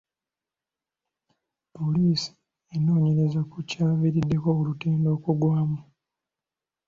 Poliisi enoonyereza ku kyaviiriddeko olutindo okugwamu?